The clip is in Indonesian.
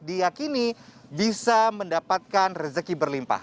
diakini bisa mendapatkan rezeki berlimpah